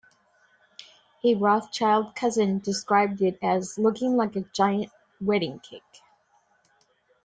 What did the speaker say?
A Rothschild cousin described it as: "looking like a giant wedding cake".